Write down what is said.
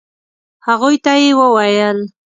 هغوی ته يې وويل.